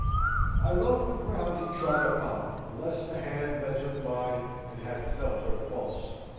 I loved the ground he trod upon, blessed the hand that took mine, and had felt her pulse.